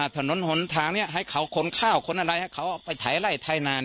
ถนนหนทางนี้ให้เขาขนข้าวขนอะไรให้เขาไปถ่ายไล่ไถนา